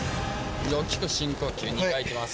大きく深呼吸２回いきます